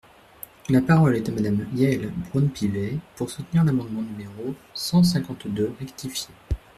La parole est à Madame Yaël Braun-Pivet, pour soutenir l’amendement numéro cent cinquante-deux rectifié.